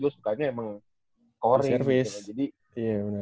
gua sukanya emang scoring